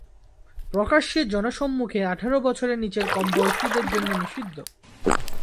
প্রকাশ্যে জনসম্মুখে আঠারো বছরের নিচের কম বয়সীদের জন্য নিষিদ্ধ।